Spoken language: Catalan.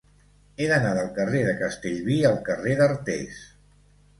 He d'anar del carrer de Castellví al carrer d'Artés.